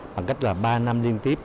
bằng cách là ba năm liên tiếp